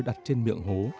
đặt trên miệng hố